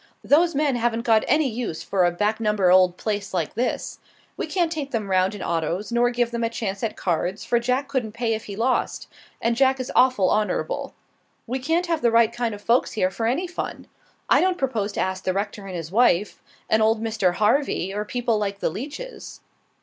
Those men haven't got any use for a back number old place like this. We can't take them round in autos, nor give them a chance at cards, for Jack couldn't pay if he lost, and Jack is awful honorable. We can't have the right kind of folks here for any fun. I don't propose to ask the rector and his wife, and old Mr. Harvey, or people like the Leaches."